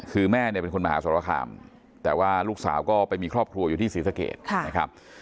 คือแม่เนี่ยเป็นคนมหาสรคามแต่ว่าลูกสาวก็ไปมีครอบครัวอยู่ที่ศรีสะเกดนะครับ